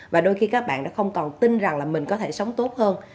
và đôi khi các bạn đã không còn tin rằng là mình có thể sống tốt hơn